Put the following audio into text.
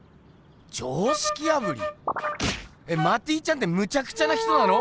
常識破り？えマティちゃんってむちゃくちゃな人なの？